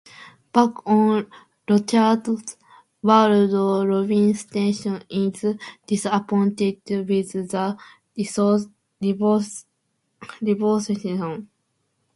Back on Rochard's World, Rubenstein is disappointed with the revolution.